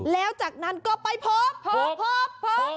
แล้วจากนั้นก็ไปพบพบ